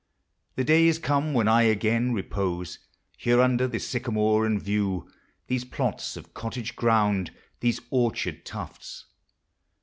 The day is come when I again repose Here, under this sycamore, and view These plots of cottage ground, these orchard tufts